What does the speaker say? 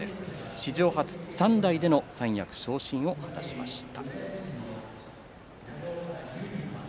史上初、３代での三役昇進を果たしました。